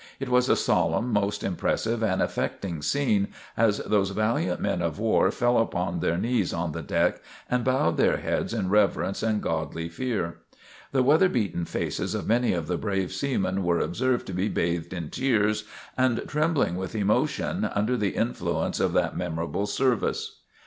It was a solemn, most impressive and affecting scene, as those valiant men of war fell upon their knees on the deck and bowed their heads in reverence and godly fear. The weather beaten faces of many of the brave seamen were observed to be bathed in tears and trembling with emotion under the influence of that memorable service.